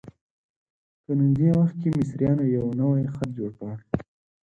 په نږدې وخت کې مصریانو یو نوی خط جوړ کړ.